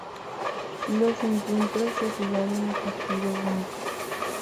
Los encuentros se jugaron a partido único.